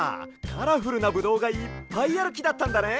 カラフルなブドウがいっぱいあるきだったんだね。